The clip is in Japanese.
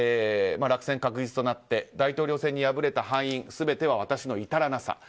落選確実となって大統領選に敗れた原因は全ては私の至らなさ。